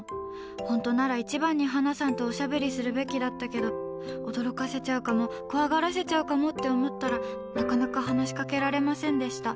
本当なら一番にハナさんとおしゃべりするべきだったけど驚かせちゃうかも怖がらせちゃうかもって思ったらなかなか話しかけられませんでした。